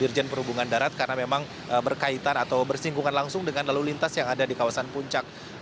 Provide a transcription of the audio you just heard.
dirjen perhubungan darat karena memang berkaitan atau bersinggungan langsung dengan lalu lintas yang ada di kawasan puncak